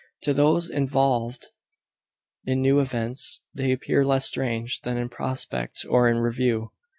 To those involved in new events, they appear less strange than in prospect or in review.